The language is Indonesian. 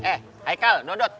eh haikal dodot